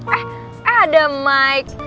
eh ada maik